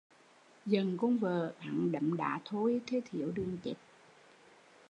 Giận con vợ, hắn đấm đá thôi thê thiếu đường chết